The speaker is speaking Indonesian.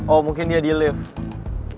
oh mungkin dia di lift